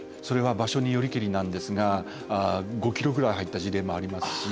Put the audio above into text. それは場所によりけりなんですが５ｋｍぐらい入った事例もあります